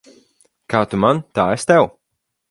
Kā tu man, tā es tev.